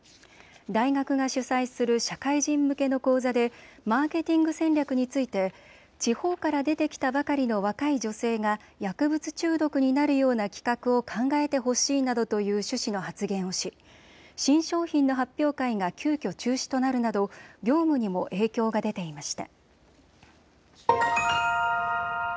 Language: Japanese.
大学が主催する社会人向けの講座でマーケティング戦略について地方から出てきたばかりの若い女性が薬物中毒になるような企画を考えてほしいなどという趣旨の発言をし新商品の発表会が急きょ中止となるなど業務にも影響が出ていました。